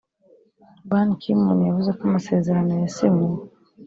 Ban Ki-moon yavuze ko amasezerano yasinywe